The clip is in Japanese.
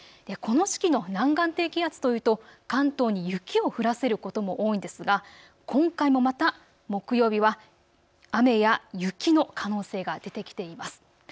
この時期の南岸低気圧というと関東に雪を降らせることも多いんですが今回もまた木曜日は雨や雪の可能性が出てきています。